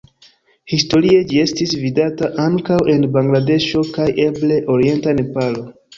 Historie ĝi estis vidata ankaŭ en Bangladeŝo kaj eble orienta Nepalo.